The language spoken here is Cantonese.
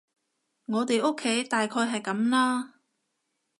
我哋屋企大概係噉啦